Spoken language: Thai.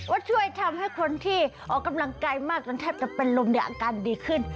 ว่าช่วยทำให้คนที่ออกกำลังกายมากแทบจะแต่ลมอย่างการดีขึ้น